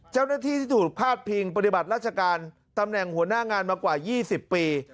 เจ้าหน้าที่ที่ถูกพาดพิงปฏิบัติราชการตำแหน่งหัวหน้างานมากว่า๒๐ปี